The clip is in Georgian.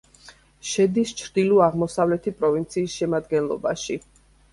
შედის ჩრდილო-აღმოსავლეთი პროვინციის შემადგენლობაში.